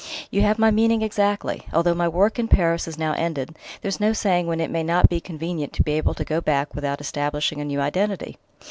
"You have my meaning exactly; although my work in Paris is now ended, there's no saying when it may not be convenient to be able to go back without establishing a new identity."